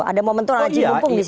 ada momentum aji mumpung disitu